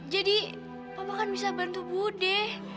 jadi pak dekmu bisa membantu budi